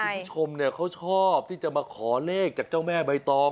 คุณผู้ชมเนี่ยเขาชอบที่จะมาขอเลขจากเจ้าแม่ใบตอง